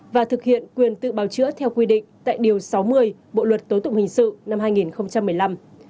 và thực hiện quyền tự bào chữa theo quy định tại điều sáu mươi bộ luật tố tụng hình sự năm hai nghìn một mươi năm